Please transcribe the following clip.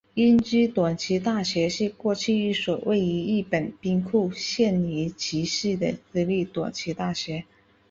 英知短期大学是过去一所位于日本兵库县尼崎市的私立短期大学。